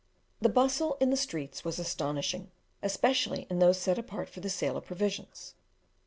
The bustle in the streets was astonishing, especially in those set apart for the sale of provisions.